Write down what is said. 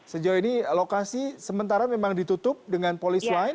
sejauh ini lokasi sementara memang ditutup dengan polis lain